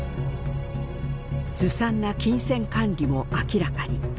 ずさんな金銭管理も明らかに。